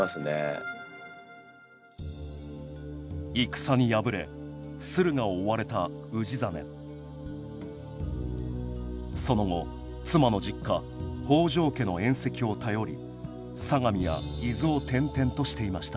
戦に敗れ駿河を追われた氏真その後妻の実家北条家の縁戚を頼り相模や伊豆を転々としていました。